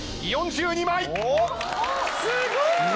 すごい！